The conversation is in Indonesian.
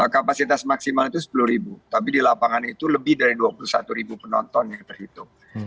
kapasitas maksimal itu sepuluh ribu tapi di lapangan itu lebih dari dua puluh satu ribu penonton yang terhitung